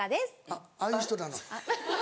あっああいう人なの？